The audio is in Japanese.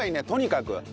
とにかく。